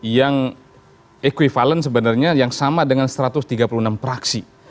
yang equivalent sebenarnya yang sama dengan satu ratus tiga puluh enam praksi